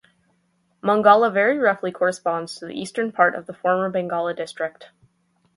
Mongala very roughly corresponds to the eastern part of the former Bangala District.